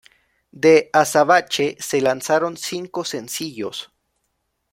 De "Azabache" se lanzaron cinco sencillos.